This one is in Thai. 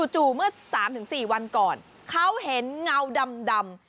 เมื่อ๓๔วันก่อนเขาเห็นเงาดำ